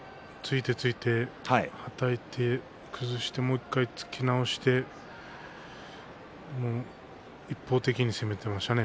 突いて突いてはたいて、崩してもう１回仕切り直して突き直して一方的に突きましたね。